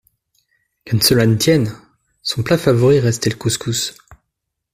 Qu’à cela ne tienne, son plat favori restait le couscous.